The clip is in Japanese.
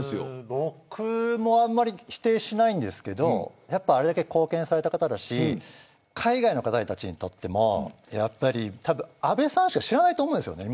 僕もあまり否定しないんですけれどあれだけ貢献された方だし海外の方たちにとっても安倍さんしか知らないと思うんですよね。